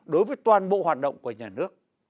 đối với toàn bộ hoạt động của nhà nước